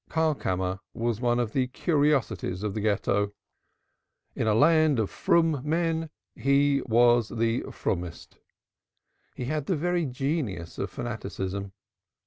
Karlkammer was one of the curiosities of the Ghetto. In a land of froom men he was the froomest. He had the very genius of fanaticism.